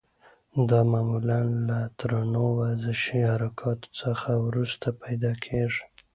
دا معمولا له درنو ورزشي حرکاتو څخه وروسته پیدا کېږي.